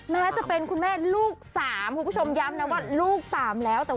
แม้จะเป็นคุณแม่ลูก๓คุณผู้ชมย้ำนะว่าลูก๓แล้ว